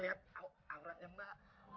iya awrak ya mbak